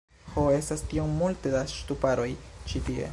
Ho, estas tiom multe da ŝtuparoj ĉi tie